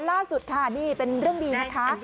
ล่าสุดค่ะนี่เป็นเรื่องดีนะคะ